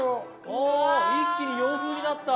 お一気に洋風になった！